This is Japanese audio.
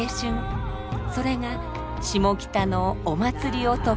それが下北のお祭り男。